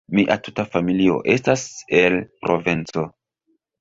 Mia tuta familio estas el Provenco.